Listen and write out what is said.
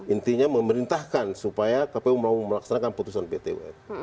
intinya memerintahkan supaya kpu mau melaksanakan putusan pt un